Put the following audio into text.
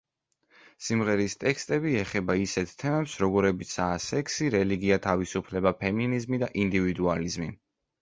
სიმღერის ტექსტები ეხება ისეთ თემებს, როგორებიცაა სექსი, რელიგია, თავისუფლება, ფემინიზმი და ინდივიდუალიზმი.